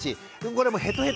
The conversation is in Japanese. これもうヘトヘト！